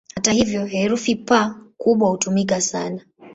Hata hivyo, herufi "P" kubwa hutumika sana.